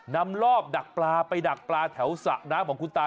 นำรอบดักปลาไปดักปลาแถวสระน้ำของคุณตา